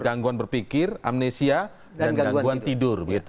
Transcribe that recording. gangguan berpikir amnesia dan gangguan tidur